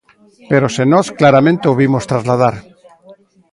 Pero se nós claramente o vimos trasladar.